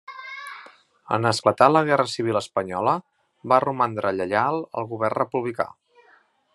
En esclatar la Guerra Civil Espanyola va romandre lleial al govern republicà.